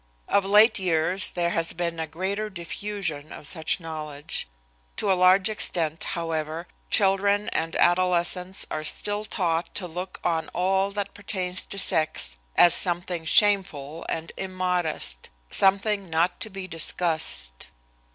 Of late years there has been a greater diffusion of such knowledge. To a large extent, however, children and adolescents are still taught to look on all that pertains to sex as something shameful and immodest, something not to be discussed.